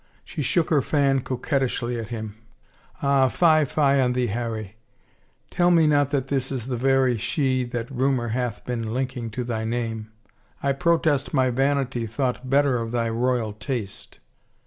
She shook her fan coquettishly at him. " Ah, fie, fie on thee, Harry ! Tell me not that this is the very she that rumor hath been linking to thy name? I protest my vanity thought better of thy royal taste